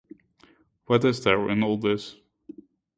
What is there in all this?